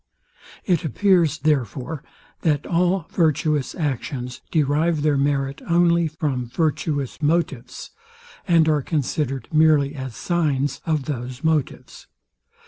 It appears, therefore, that all virtuous actions derive their merit only from virtuous motives, and are considered merely as signs of those motives.